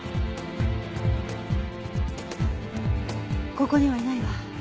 ここにはいないわ。